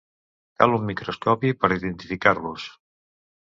Cal un microscopi per identificar-los.